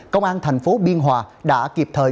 công an thành phố biên hòa đã kịp thời